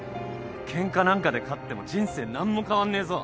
ケンカなんかで勝っても人生何も変わんねえぞ。